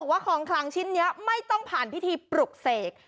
ว่าของคลังชิ้นนี้ไม่ต้องผ่านพิธีปลุกเสก